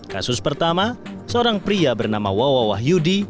kasus pertama seorang pria bernama wawawah yudi